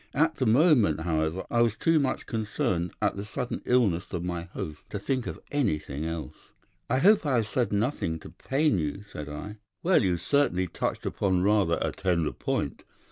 At the moment, however, I was too much concerned at the sudden illness of my host to think of anything else. "'I hope that I have said nothing to pain you?' said I. "'Well, you certainly touched upon rather a tender point.